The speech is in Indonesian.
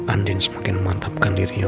andin semakin memantapkan dirinya